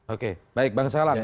oke baik bang salang